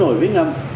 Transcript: nổi với ngầm